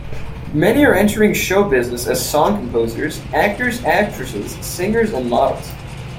Many are entering show-business as song composers, actors, actresses, singers, and models.